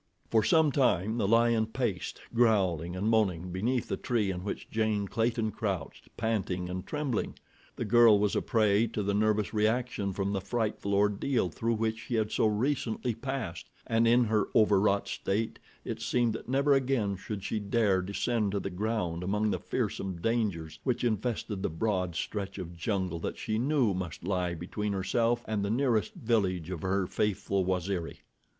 For some time the lion paced, growling and moaning, beneath the tree in which Jane Clayton crouched, panting and trembling. The girl was a prey to the nervous reaction from the frightful ordeal through which she had so recently passed, and in her overwrought state it seemed that never again should she dare descend to the ground among the fearsome dangers which infested the broad stretch of jungle that she knew must lie between herself and the nearest village of her faithful Waziri.